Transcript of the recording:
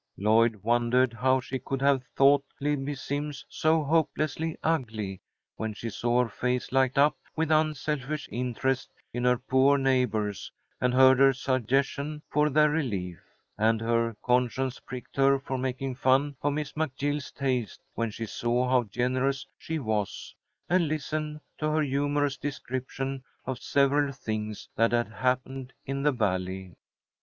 Lloyd wondered how she could have thought Libbie Simms so hopelessly ugly, when she saw her face light up with unselfish interest in her poor neighbours, and heard her suggestions for their relief. And her conscience pricked her for making fun of Miss McGill's taste when she saw how generous she was, and listened to her humourous description of several things that had happened in the Valley.